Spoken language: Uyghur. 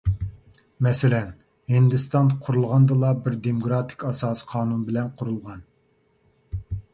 مەسىلەن، ھىندىستان قۇرۇلغاندىلا بىر دېموكراتىك ئاساسىي قانۇن بىلەن قۇرۇلغان.